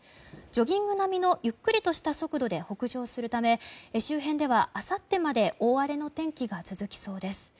ジョギング並みのゆっくりとした速度で北上するため周辺ではあさってまで大荒れの天気が続きそうです。